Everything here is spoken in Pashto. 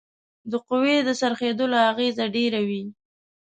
د قوې د څرخیدلو اغیزه ډیره وي.